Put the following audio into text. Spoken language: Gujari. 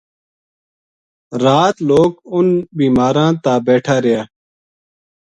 رات لوک اُنھ بیماراں تا بیٹھا رہیا